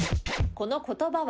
この言葉は？